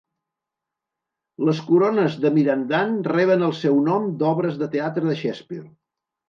Les corones de Mirandan reben el seu nom d'obres de teatre de Shakespeare.